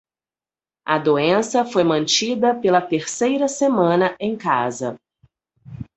A doença foi mantida pela terceira semana em casa.